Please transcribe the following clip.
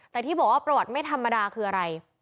แต่ที่บอกว่าประวัติไม่ธรรมดาคืออะไร